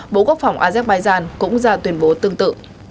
bộ quốc phòng azek bayzan cũng ra tuyên bố tương tự